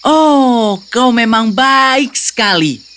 oh kau memang baik sekali